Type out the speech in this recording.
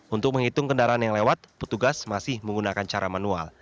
untuk menghitung kendaraan yang lewat petugas masih menggunakan cara manual